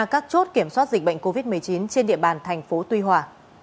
các chốt kiểm soát dịch bệnh covid một mươi chín trên địa bàn thành phố tuy hòa